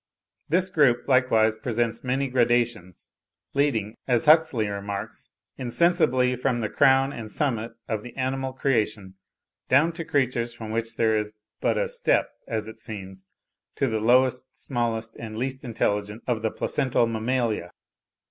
This group likewise presents many gradations, leading, as Huxley remarks (20. 'Man's Place in Nature,' p. 105.), "insensibly from the crown and summit of the animal creation down to creatures from which there is but a step, as it seems, to the lowest, smallest, and least intelligent of the placental mammalia."